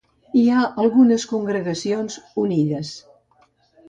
Hi ha algunes congregacions "unides".